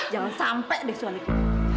jangan sampai deh suami kita